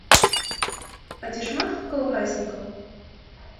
А ці шмат калгаснікаў?